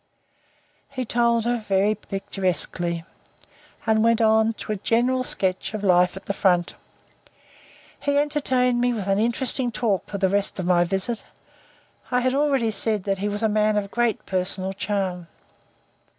He told her, very picturesquely, and went on to a general sketch of life at the front. He entertained me with interesting talk for the rest of my visit. I have already said that he was a man of great personal charm.